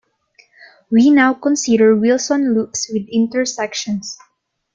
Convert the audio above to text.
We now consider Wilson loops with intersections.